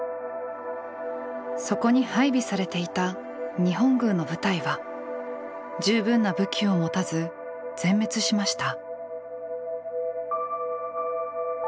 そこに配備されていた日本軍の部隊は十分な武器を持たず全滅しました。